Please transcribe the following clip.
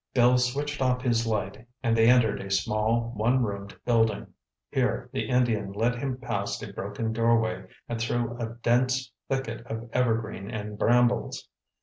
Bill switched off his light and they entered a small, one roomed building. Here the Indian led him past a broken doorway and through a dense thicket of evergreen and brambles.